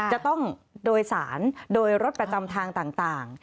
จะต้องโดยสารโดยรถประจำทางต่าง